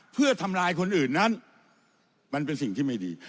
เพื่อทำลายคนอื่นนั้นมันเป็นสิ่งที่ไม่ดี